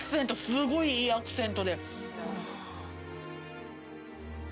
すごいいいアクセント。